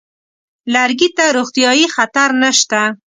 لرګي ته روغتیايي خطر نشته.